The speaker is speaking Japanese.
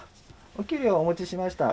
お給料をお持ちしました。